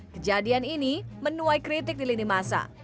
kejadian ini menuai kritik di lini masa